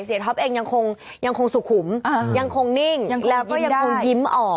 เสียท็อปเองยังคงสุขขุมยังคงนิ่งแล้วก็ยังคงยิ้มออก